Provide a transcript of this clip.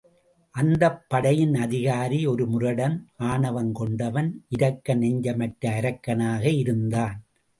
அந்தப் படையின் அதிகாரி ஒரு முரடன், ஆணவம் கொண்டவன், இரக்க நெஞ்சமற்ற அரக்கனாக இருந்தான்.